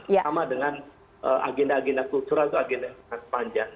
sama dengan agenda agenda kultural itu agenda yang sangat panjang